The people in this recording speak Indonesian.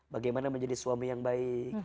bagaimana menjadi suami yang baik